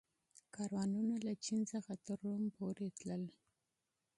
کاروانونه له چین څخه تر روم پورې تلل